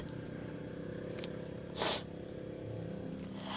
aku kan cuma sampah